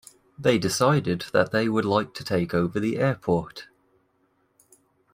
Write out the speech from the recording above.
They decided that they would like to take over the airport.